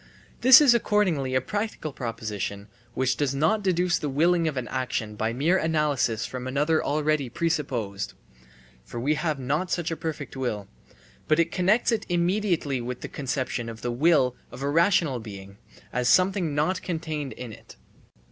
This is accordingly a practical proposition which does not deduce the willing of an action by mere analysis from another already presupposed (for we have not such a perfect will), but connects it immediately with the conception of the will of a rational being, as something not contained in it.